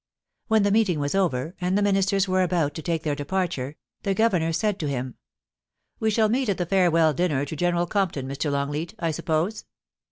When the meeting was over, and the Ministers were about to take their departure, the Governor said to him :' We shall meet at the farewell dinner to General Comp ton, Mr. Longleat, I suppose